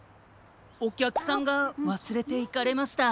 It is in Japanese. おきゃくさんがわすれていかれました。